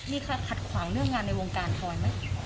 มีขัดขวางเรื่องงานในวงการทอยไหม